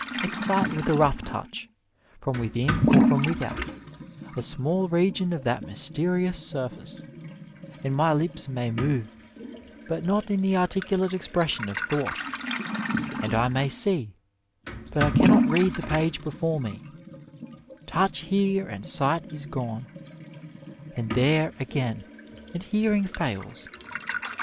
Excite with a rough touch, from within or from without, a small region of that mysteri ous surface, and my lips may move, but not m the articu late expression of thought, and I may see, but I cannot read the page before me ; touch here and sight is gone, and there again and hearing fails.